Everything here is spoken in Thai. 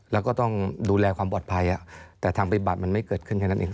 แล้วก็ต้องดูแลความปลอดภัยแต่ทางปฏิบัติมันไม่เกิดขึ้นแค่นั้นเอง